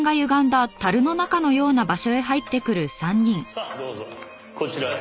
さあどうぞこちらへ。